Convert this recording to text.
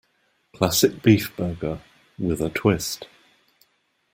Classic beef burger, with a twist.